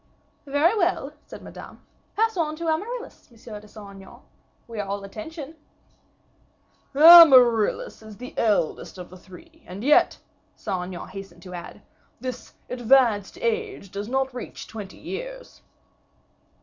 "Very well," said Madame, "pass on to Amaryllis, Monsieur de Saint Aignan, we are all attention." "Amaryllis is the eldest of the three, and yet," Saint Aignan hastened to add, "this advanced age does not reach twenty years."